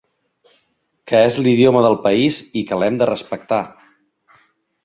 Que es l'idioma del país i que l'hem de respectar.